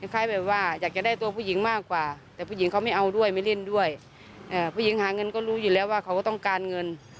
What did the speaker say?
คล้ายแบบว่าอยากจะได้ตัวผู้หญิงมากกว่าแต่ผู้หญิงเขาไม่เอาด้วยไม่เล่นด้วยผู้หญิงหาเงินก็รู้อยู่แล้วว่าเขาก็ต้องการเงิน